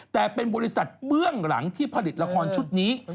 แต่เป็นบริษัทเบื้องหลังที่ผลิตละครชุดนี้